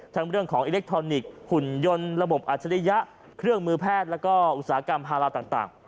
เรื่องของอิเล็กทรอนิกส์หุ่นยนต์ระบบอัจฉริยะเครื่องมือแพทย์แล้วก็อุตสาหกรรมภาระต่าง